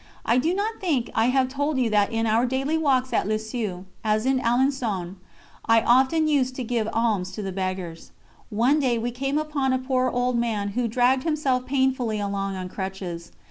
I do not think I have told you that in our daily walks at Lisieux, as in Alençon, I often used to give alms to the beggars. One day we came upon a poor old man who dragged himself painfully along on crutches.